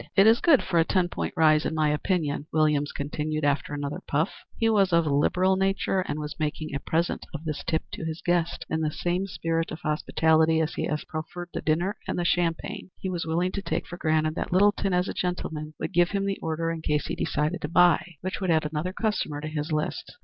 "It is good for a ten point rise in my opinion," Williams continued after another puff. He was of a liberal nature, and was making a present of this tip to his guest in the same spirit of hospitality as he had proffered the dinner and the champagne. He was willing to take for granted that Littleton, as a gentleman, would give him the order in case he decided to buy, which would add another customer to his list.